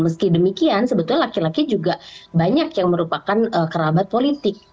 meski demikian sebetulnya laki laki juga banyak yang merupakan kerabat politik